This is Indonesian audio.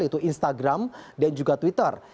yaitu instagram dan juga twitter